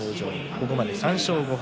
ここまで３勝５敗。